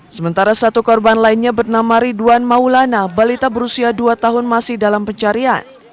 sementara satu korban lainnya bernama ridwan maulana balita berusia dua tahun masih dalam pencarian